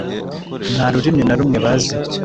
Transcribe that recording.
nta rurimi na rumwe bazi